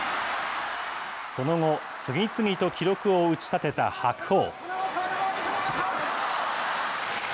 その後、次々と記録を打ち立てた白鵬。